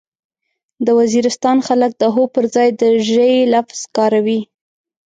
د وزيرستان خلک د هو پرځای د ژې لفظ کاروي.